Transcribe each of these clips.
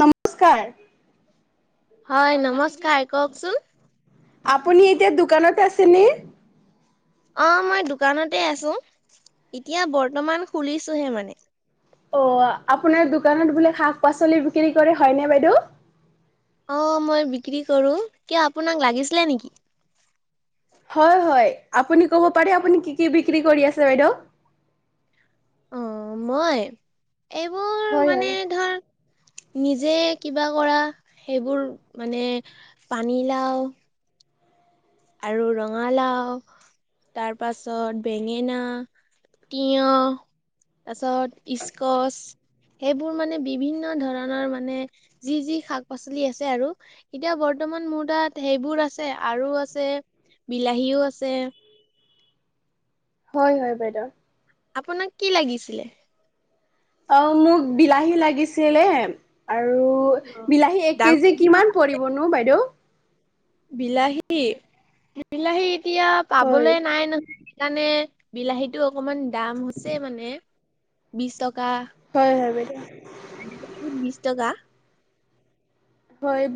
নমস্কাৰ হয়', নমস্কাৰ কওকচোন আপুনি এতিয়া দোকানত আছেনে? অ', মই দোকানতে আছো, এতিয়া বৰ্তমান খুলিছোহে মানে। অ', আপোনাৰ দোকানত বোলে শাক পাচলি বিক্ৰী কৰে হয়নে বাইদেউ? অ', মই বিক্ৰী কৰো, কিয় আপোনাক লাগিছিলে নেকি? হয়', হয়', আপুনি ক'ব পাৰে আপুনি‌ কি কি বিক্ৰী কৰি আছে বাইদেউ? অ', মই, এইবোৰ হয় হয়। মানে ধৰ নিজে কিবা কৰা, সেইবোৰ মানে পানীলাও আৰু ৰঙালাও তাৰ পাছত বেঙেনা, তিয়ঁহ তাৰপিছত স্কচ সেইবোৰ মানে বিভিন্ন ধৰণৰ মানে যি যি শাক পাচলি আছে আৰু, এতিয়া বৰ বৰ্তমান মোৰ তাত সেইবোৰ আছে আৰু আছে বিলাহীও আছে হয়', হয়', বাইদেউ আপোনাক কি লাগিছিলে? অ', মোক বিলাহী লাগিছিলে আৰু, অ বিলাহী এক কেজি ডাংবডিও কিমান পৰিবনো বাইদেউ? বিলাহী, বিলাহী এতিয়া হয় পাবলে নাই ন সেইকাণে বিলাহীটো অকমান দাম হৈছে মানে, বিশ টকা হয়', হয়', বাই বিশ টকা। হয়',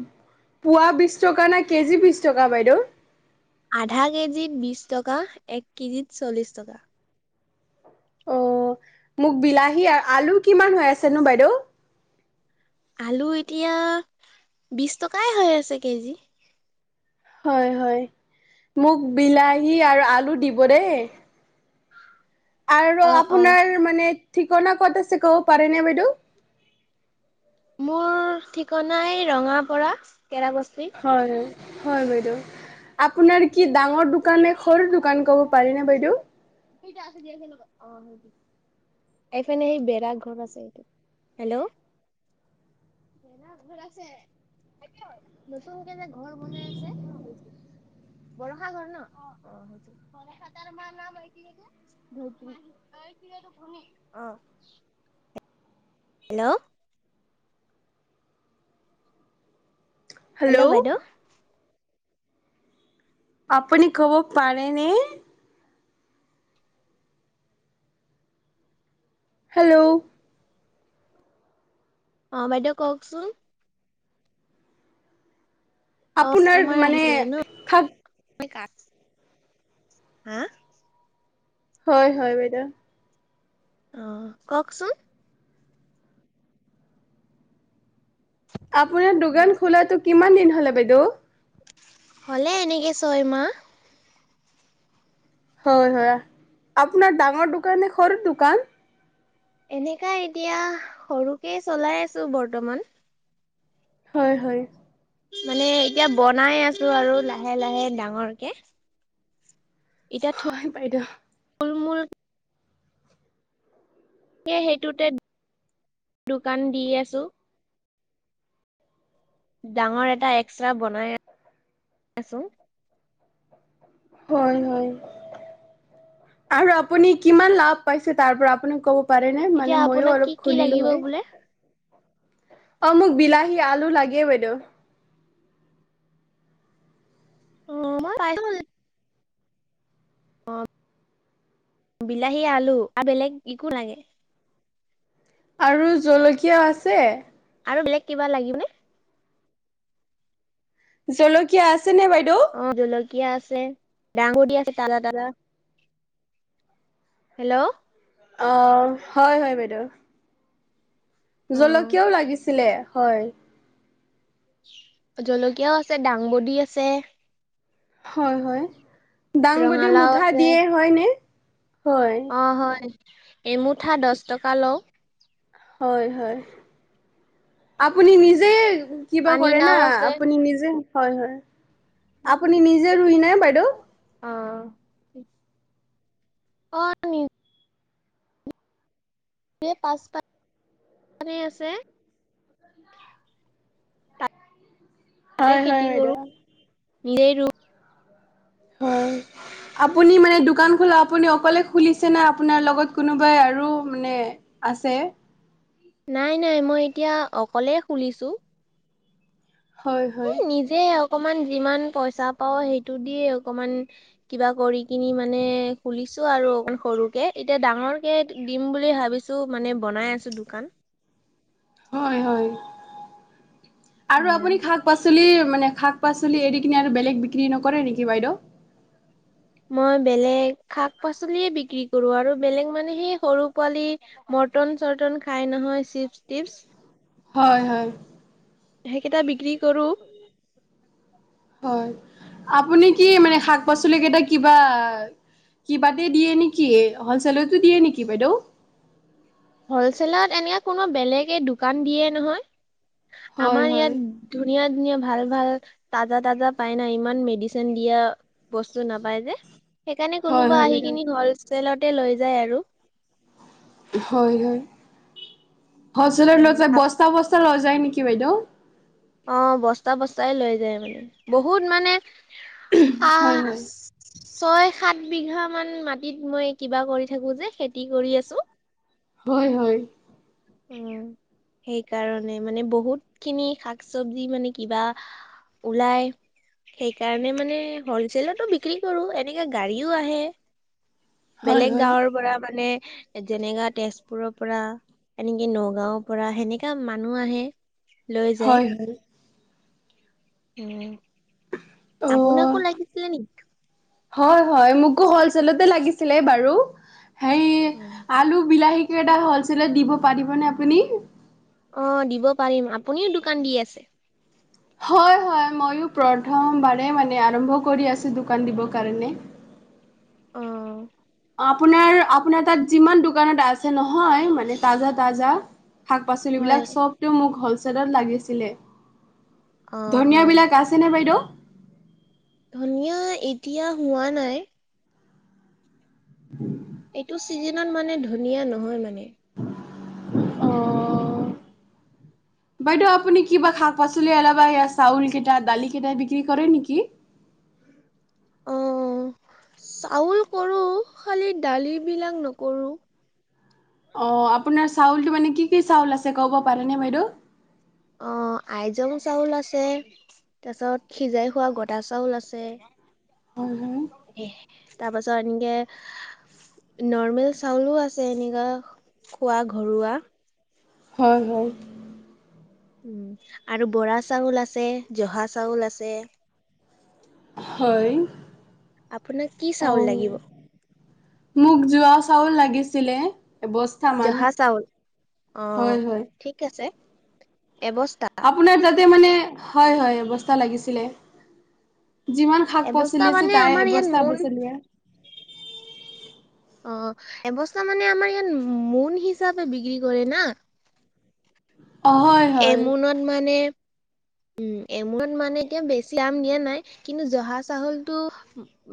পোৱা বিশ টকা নে, কেজি বিশ টকা বাইদেউ? আধা কেজিত বিশ টকা, এক কেজিত চল্লিছ টকা। অ' মোক বিলাহী আৰু আলু কিমান হৈ আছেনো বাইদেউ? আলু এতিয়া বিশ টকাই হৈ আছে কেজি। হয় হয় মোক বিলাহী আৰু আলু দিব দেই। আৰু অ অ আপোনাৰ মানে ঠিকনা ক'ত আছে ক'ব পাৰেনে বাইদেউ? মোৰ ঠিকনাই ৰঙাপৰা কেৰা বস্তি। হয়। হয় বাইদেউ, আপোনাৰ কি ডাঙৰ দোকান নে সৰু দোকান ক'ব পাৰিনে বাইদেউ? কেইটা আছে [unintelligible] এইফানে সেই বেৰা ঘৰত আছে এইটো। হেল্ল'? বেৰা ঘৰ আছে। নতুন কে যে ঘৰ বনাই আছে বৰষা ঘৰ ন, অ' অ' হেল্ল'? হেল্ল' বাইদেউ? আপুনি কব পাৰে নে হেল্ল'? অ' বাইদেউ কওঁকচোন? অ' আপোনাৰ তোমাৰ মানে আহিলে থাক ন? হা হয় হয় বাইদেউ। অ' কওঁকচোন? আপোনাৰ হেল্ল'। দোকান খোলাটো কিমান দিন হ'লে বাইদেউ? হ'লে এনেকে ছয়মাহ। হয় হয় আপোনাৰ ডাঙৰ দোকান নে সৰু দোকান? এনেকা এতিয়া সৰুকে চলাই আছো বৰ্তমান। হয় হয়। মানে এতিয়া বনাই আছো আৰু লাহে লাহে ডাঙৰকে। হয় বাইদেউ। ঠুলমূল কে সেইটোতে দোকান দি আছো। ডাঙৰ এটা এষ্ট্ৰা বনাই আছো। হয় হয়। আৰু আপুনি কিমান লাভ পাইছে তাৰ পৰা আপুনি ক'ব পাৰে নে? এতিয়া মানে মইয়ো আপোনাক কি অলপ কি খুলিলো লাগিব হয়। বোলে? অ' মোক বিলাহী আলু লাগেই বাইদেউ। অ ম [unintelligible] বিলাহী আলু আৰু বেলেগ একো নালাগে? আৰু জলকীয়া আছে? আৰু বেলেগ কিবা লাগিবনে? জলকীয়া আছেনে বাইদেউ? িয় আছে ডাঙ দি আছে াদা াদা হেল্ল' [unintelligible] অ' হয় হয় বাইদেউ। জলকীয়াওঁ অ' লাগিছিলে, হয়। জলকীয়াওঁ আছে দাংবডী আছে। হয় হয় দাংবদী ৰঙালাও মুঠা আছে। দিয়ে হয় নে? অ' হয় এমুঠা দহ টকা লওঁ। হয় হয়। আপুনি নিজে কিবা কৰে না পানীলাও আছে। আপুনি নিজে হয় হয়। আপুনি নিজে ৰুই নে বাইদেউ? অ'। অ' নি হে পাচ পাত বনাই আছে। হয় হয় বাইদেউ। নেইৰো। হয়। আপুনি মানে দোকান খোলা আপুনি অকলে খুলিছে না আপোনাৰ লগত কোনোবাই আৰু মানে আছে? নাই নাই মই এতিয়া অকলেই খুলিছোঁ। হয় হয়। অকণমান যিমান পইচা পাও সেইটো দি অকমান কিবা কৰি কিনি মানে খুলি ছো আৰু অকণ সৰুকে, এতিয়া ডাঙৰ কে দিম বুলি ভাবিছোঁ মানে বনাই আছো দোকান। হয় হয়। আৰু আপুনি শাক পাচলি মানে শাক পাচলি এৰি কিনে আৰু বেলেগ বিক্ৰী নকৰে নেকি বাইদেউ? মই বেলেগ শাক পাচলিয়ে বিক্ৰী কৰো আৰু বেলেগ মানে সেই সৰু পোৱালি মৰ্টন চৰ্টন খাই নহয় চিপছ টিপছ হয় হয়। সেইকেইটা বিক্ৰী কৰোঁ। হয়। আপুনি কি মানে শাক পাচলি কেইটা কিবা কিবাতে দিয়ে নেকি, হলচেলতো দিয়ে নেকি বাইদেউ? হলছেলত এনে কোনো বেলেগে দোকান দিয়ে নহয় হয় আমাৰ হয় ইয়াত ধুনীয়া ধুনীয়া ভাল ভাল তাজা তাজা পাই না। ইমান মেডিচিন দিয়া বস্তু নাপায় যে। সেইকাৰণে হয় কোনোবা হয় আহি বাইদেউ কিনে হলছেলতে লৈ যায় আৰু। হয় হয়। হলছেলত লৈ উম যায়, বস্তা বস্তা লৈ যায় নেকি বাইদেউ? অ' বস্তা বস্তাই লৈ যায় মানে। বহুত মানে হয় খাচ হয় ছয় সাত বিঘামান মাটিত মই কিবা কৰি থাকোঁ যে, খেতি কৰি আছোঁ। হয় হয়। উম। সেইকাৰণে মানে বহুতখিনি শাক চবজি মানে কিবা ওলাই। সেইকাৰণে মানে হলচেলতো বিক্ৰী কৰো, এনেকাে গাড়ীও আহে। হয় বেলেগ হয় গাঁৱৰ পৰা মানে যেনেকা তেজপুৰৰ পৰা এনেকে নগাঁওৰ পৰা সেনেকা মানুহ আহে লৈ যায়। হয় হয় উম। অ আপোনাকো লাগিছিলে নেকি? হয় হয় মোকো হলচেলতে লাগিছিলে বাৰু, হেই আলু, বিলাহী কিবা এটা হ'লচেলত দিব পাৰিবনে আপুনি? অ' দিব পাৰিম, আপুনিও দোকান দি আছে? হয় হয় ময়ো প্ৰথম মানে আৰম্ভ কৰি আছোঁ দোকান দিব কাৰণে। অ'। অ' আপোনাৰ আপোনাৰ তাত যিমান দোকানত আছে নহয় মানে তাজা তাজা শাক হয় পাচলিবিলাক চবটো মোক হ'লচেলত লাগিছিলে। অ' হয়। ধনিয়াবিলাক আছেনে বাইদেউ? ধনিয়া এতিয়া হোৱা নাই। এইটো চিজনত মানে ধনিয়া নহয় মানে। অ'। বাইদেউ আপুনি কিবা শাক পাচলি এলাবা ইয়া চাউল কিটা, দালি কিটা, বিক্ৰী কৰে নেকি? অ'। চাউল কৰো খালি দালি বিলাক নকৰো। অ', আপোনাৰ চাউলটো মানে কি কি চাউল আছে ক'ব পাৰেনে বাইদেউ? অ', আইজং চাউল আছে। তাছত খিজাই খোৱা গদা চাউল আছে। হয় হয়। তাৰপাছত এনগে নৰ্মেল চাউলো আছে এনেকা খোৱা ঘৰুৱা। হয়, হয়। উম, আৰু বৰা চাউল আছে জহা চাউল আছে। হয়। আপোনাক কি চাউল অ' লাগিব মোক যোৱা চাউল লাগিছিলে। এবস্তা মান। জহা চাউল অ হয়, হয়। ঠিক আছে এবস্তা আপোনাৰ তাতে মানে হয়, হয় এবস্তা লাগিছিলে। যিমান শাক এবস্তা পাচলি আছে মানে তাই আমাৰ ইয়াত এবস্তা মোন এবস্তা লৈ আ। অ', এবস্তা মানে আমাৰ ইয়াত মোন হিচাপে বিক্ৰী কৰে না? অ হয় হয় এমোনত মানে উম, এমোনত মানে এতিয়া বেছি দাম দিয়া নাই। কিন্তু, জহা চাহোলটো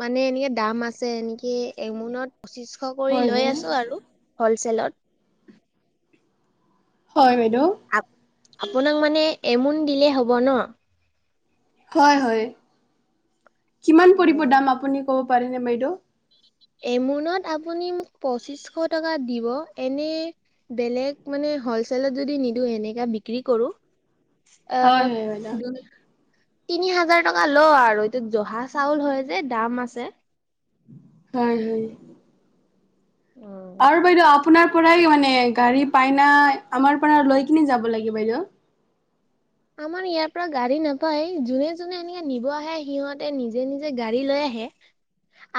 মানে এনিয়েত দাম আছে এনিকি এমোনত পঁচিশশ কৰি হয় লৈ হয় আছো আৰু হ'লচেলত। হয় বাইদেউ। আপোনাক মানে এমোন দিলে হ'ব ন'? হয়, হয়। কিমান পৰিব অ'। দাম আপুনি ক'ব পাৰেনে বাইদেউ? এমোনত আপুনি মোক পঁচিশশ টকা দিব। এনে বেলেগ মানে হ'লচেলত যদি নিদিওঁ এনেকা বিক্ৰী কৰো। আ, হয় হয় বাইদেউ দু তিনি হাজাৰ টকা ল' আৰু এটোত জহা চাউল হয় যে দাম আছে। হয়, হয়। আৰু বাইদেউ আপোনাৰ পৰাই মানে গাড়ী পাইনাই, আমাৰ পৰা লৈ কিনে যাব লাগে বাইদেউ? আমাৰ ইয়াৰ পৰা গাড়ী নাপায়। যোনে যোনে এনেকে নিব আহে সিহঁতে নিজে নিজে গাড়ী লৈ আ হে,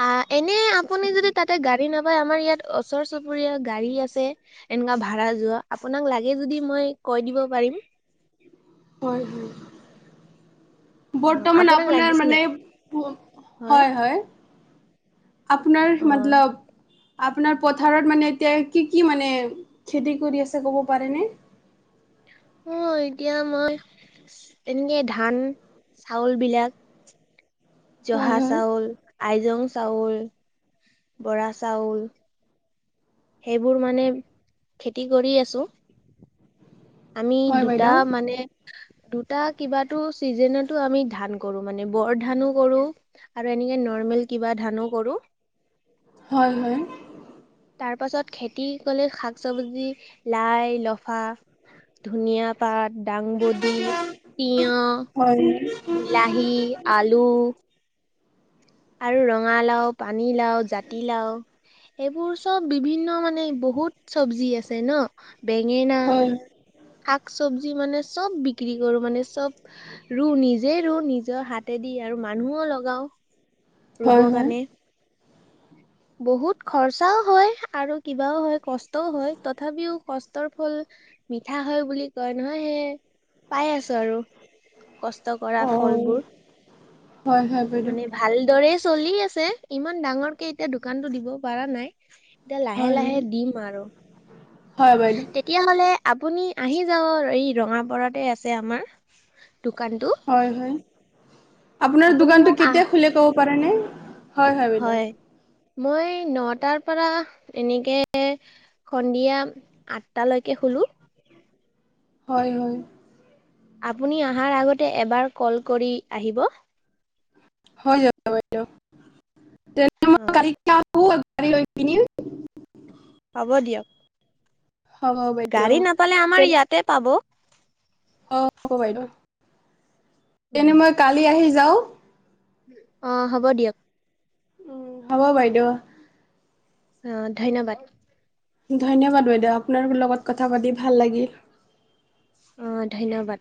আ, এনে আপুনি যদি তাতে গাড়ী নাপ [unintelligible] আমাৰ ইয়াত অচৰ চুবুৰীয়া গাড়ী আছে। এনেকা ভাড়া যোৱা আপোনাক লাগে যদি মই কৈ দিব পাৰিম। হয়, হয়। অ' বৰ্তমান আপোনাক আপোনাৰ লাগিছিলে মানে পো, হয়, হয়। আপোনাৰ অ' মাতলব আপোনাৰ পথাৰত মানে এতিয়া কি কি মানে খেতি কৰি আছে ক'ব পাৰেনে? অ' এতিয়া মই এনেকে ধান চাউল বিলাক হয় জহা হয় চাউল, আইজং চাউল, বৰা চাউল। সেইবোৰ মানে খেতি কৰি আছো। আমি হয় দুটা বাইদেউ। মানে দুটা কিবাতো চিজেনতো আমি ধান কৰো মানে, বৰ ধানো কৰো। আৰু এনেকে নৰ্মেল কিবা ধানো কৰো। হয়, হয়। তাৰ পাছত খেতি ক'লে শাক চবজি, লাই, লফা। ধুনীয়া পাত, দাংবডী, তিয়। হয় লাহী, আলু। আৰু ৰঙালাও, পানী লাও, জাতিলাও। এইবোৰ চব বিভিন্ন মানে বহুত চব্জি আছে ন' বেঙেনা। হয় শাক চবজি মানে চব বিক্ৰী কৰো মানে চব ৰু, নিজে ৰু নিজৰ হাতে দি আৰু মানুহো, লগাও ৰুব হয় হয়। কাৰণে। বহুত খৰচাও হয়, আৰু কিবাও হয়, কষ্টও হয় তথাপিও কষ্টৰ ফল মিঠা হয় বুলি কয় নহয় সেই পাই আছো আৰু। কষ্ট কৰা অ ফলবোৰ, হয় হয় বাইদেউ মানে ভাল দৰে চলি আছে ইমান ডাঙৰকে এতিয়া দোকান টো দিব পাৰা নাই। এতিয়া লাহে হয় হয় লাহে দিম আৰু। হয় বাইদেউ তেতিয়াহ'লে আপুনি আহি যাব এই ৰঙাপাৰাতে আছে আমাৰ। দোকানটো হয় হয়, আপোনাৰ আপুনি দোকানতো মোক আহ কেতিয়া খোলে ক'ব পাৰেনে? হয় হয়, বাইদেউ। মই নটাৰ পৰা এনেকে সন্ধিয়া আঠটালৈকে খোলো। হয় হয়। আপুনি অহাৰ আগতে এবাৰ কল কৰি আহিব। হৈ যাব বাইদেউ তেন্তে মই অ কালিৰ পৰা [unintelligible] ত আ [unintelligible] গা়ি লৈ কিিন হ'ব দিয়ক। হ'ব বাইদেউ গাড়ী নাপালে আমাৰ ইয়াতে পাব। অ'। হ'ব বাইদেউ, তেনে মই কালি আহি যাও। অ', হ'ব দিয়ক। উম, হ'ব বাইদেউ। অ', ধন্যবাদ। ধন্যবাদ বাইদেউ, আপোনাৰ লগত কথা পাতি ভাল লাগিল। অ', ধন্যবাদ।